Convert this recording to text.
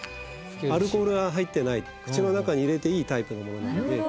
アルコールが入ってない口の中に入れていいタイプのものなので。